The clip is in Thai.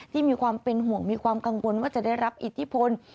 มีความเป็นห่วงมีความกังวลว่าจะได้รับอิทธิพล